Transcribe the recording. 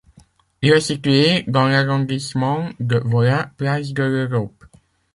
Il est situé dans l'arrondissement de Wola, place de l'Europe.